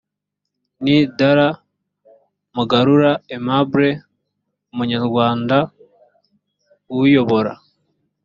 ni dr mugarura aimable umunyarwanda uwuyobora